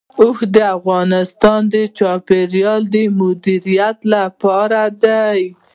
اوښ د افغانستان د چاپیریال د مدیریت لپاره دی.